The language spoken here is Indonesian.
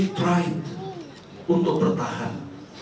dia mencoba untuk bertahan